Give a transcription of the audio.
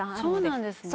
そうなんですね。